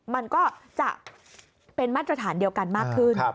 มันก็จะเป็นมาตรฐานเดียวกันมากขึ้น